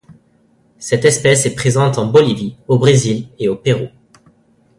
Cette espèce est présente en Bolivie, au Brésil et au Pérou.